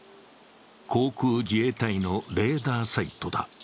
航空自衛隊のレーダーサイトだ。